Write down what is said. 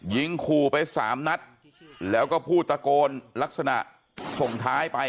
ยิงขู่ไปสามนัดแล้วก็พูดตะโกนลักษณะส่งท้ายไป